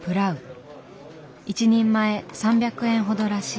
１人前３００円ほどらしい。